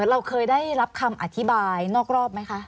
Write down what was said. เราเคยได้รับคำอธิบายนอกรอบไหมคะ